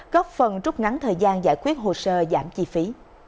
góp phần trúc ngắn thời gian giải quyết hồ sơ giảm chi phí